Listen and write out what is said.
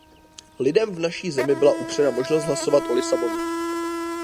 Lidem v naší zemi byla upřena možnost hlasovat o Lisabonu.